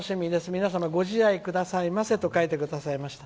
皆さま、ご自愛くださいませと書いてくださいました。